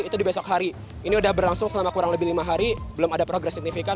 itu di besok hari ini sudah berlangsung selama kurang lebih lima hari belum ada progres signifikan